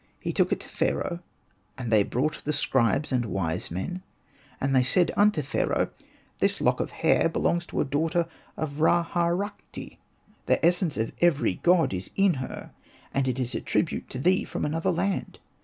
He took it to Pharaoh ; and they brought the scribes and the wise men, and they said unto Phai aoh, ''This lock of hair belongs to a TPIE CHIEF FULLER OF PHARAOH daughter of Ra Harakhti : the essence of every god is in her, and it is a tribute to thee from another land.